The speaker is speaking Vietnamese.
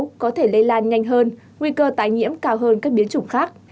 nếu biến thể lây lan nhanh hơn nguy cơ tái nhiễm cao hơn các biến chủng khác